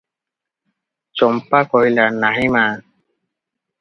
ଚମ୍ପା କହିଲା, "ନାହିଁ ମା!